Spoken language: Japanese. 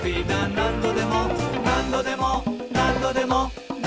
「なんどでもなんどでもなんどでも」